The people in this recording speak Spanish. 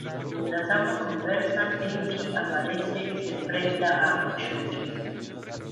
Mientras ambos conversan, Enki aparece y se enfrenta a Oyuki.